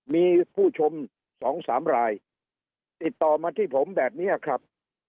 มีผู้ชม๒๓รายติดต่อมาที่ผมแบบนี้ครับ